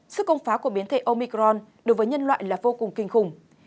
sức công phá của biến thể omicron đối với nhân loại là vô cùng kinh khủng